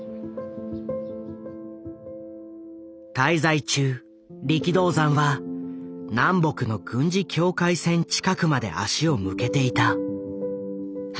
滞在中力道山は南北の軍事境界線近くまで足を向けていた。